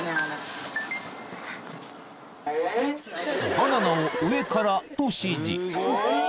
［バナナを上からと指示］